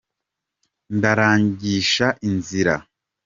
ndarangisha inzira.